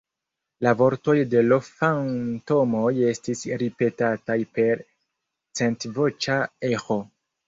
La vortoj de l' fantomoj estis ripetataj per centvoĉa eĥo.